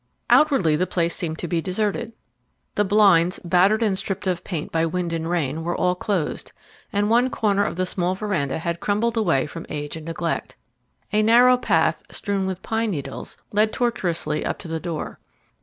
Outwardly the place seemed to be deserted. The blinds, battered and stripped of paint by wind and rain, were all closed, and one corner of the small veranda had crumbled away from age and neglect. A narrow path, strewn with pine needles, led tortuously up to the door.